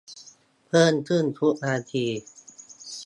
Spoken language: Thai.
เพิ่มขึ้นทุกนาที